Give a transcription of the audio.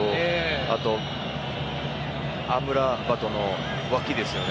あと、アムラバトの脇ですね。